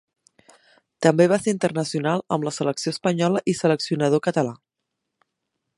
També va ser internacional amb la selecció espanyola i seleccionador català.